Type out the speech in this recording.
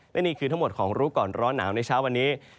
และนี่คือทั้งหมดของรู้ก่อนร้อนหนาวในเช้าวันนี้